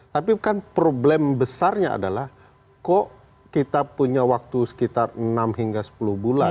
tapi kan problem besarnya adalah kok kita punya waktu sekitar enam hingga sepuluh bulan